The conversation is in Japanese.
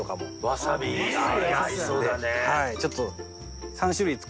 わさび合いそうだね。